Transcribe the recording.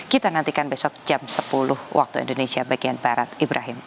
kita nantikan besok jam sepuluh waktu indonesia bagian barat ibrahim